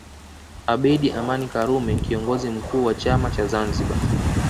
Abeid Aman Karume Kiongozi mkuu wa chama cha Zanzibar